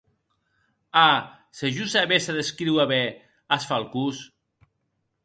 A, se jo sabessa descríuer ben as falcons!